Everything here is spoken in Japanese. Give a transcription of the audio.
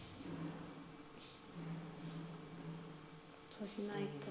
そうしないと？